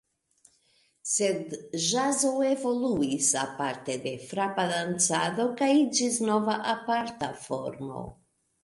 Sed ĵazo evoluis aparte de frapa dancado kaj iĝis nova aparta formo.